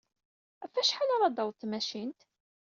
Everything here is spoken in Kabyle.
Ɣef wacḥal ara d-taweḍ tmacint?